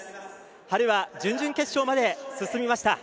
春は準々決勝まで進みました。